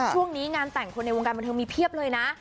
ช่วงนี้งานแต่งคนในวงการบันเทิงมีเพียบเลยนะ